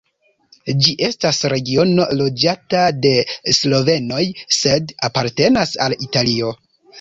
Ĝi estas regiono loĝata de slovenoj sed apartenas al Italio.